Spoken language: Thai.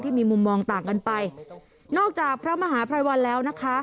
มีมุมมองต่างกันไปนอกจากพระมหาภัยวันแล้วนะคะ